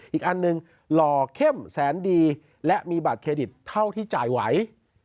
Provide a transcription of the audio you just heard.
อีกอันหนึ่งหล่อเข้มแสนดีและมีบัตรเครดิตเท่าที่จ่ายไหว